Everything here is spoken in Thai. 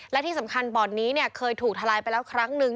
และที่สำคัญบ่อนนี้เคยถูกทลายไปแล้วครั้งหนึ่ง